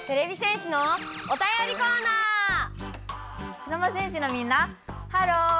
茶の間戦士のみんなハロー！